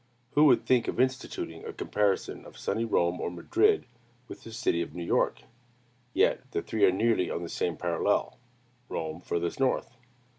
Who would think of instituting a comparison of sunny Rome or Madrid with the city of New York? Yet the three are nearly on the same parallel: Rome furthest north.